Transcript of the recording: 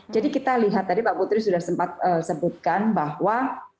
jadi kita lihat tadi pak putri sudah sempat sebutkan bahwa